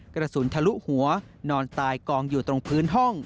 กระสุนทะลุหัวนอนตายกองอยู่ตรงพื้นห้อง